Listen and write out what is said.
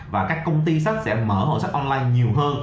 và các công ty sách sẽ mở hồ sách online nhiều hơn